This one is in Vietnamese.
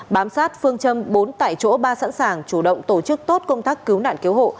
bám sát phương châm bốn tại chỗ ba sẵn sàng chủ động tổ chức tốt công tác cứu nạn cứu hộ